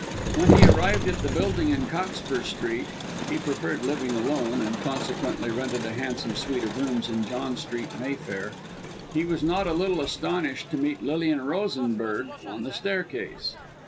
When he arrived at the building in Cockspur Street (he preferred living alone, and, consequently, rented a handsome suite of rooms in John Street, Mayfair), he was not a little astonished to meet Lilian Rosenberg on the staircase.